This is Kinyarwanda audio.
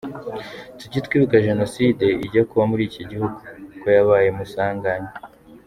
Tujye twibuka ko jenoside ijya kuba muri iki gihugu, ko yabaye musanganya!